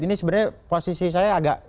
ini sebenarnya posisi saya agak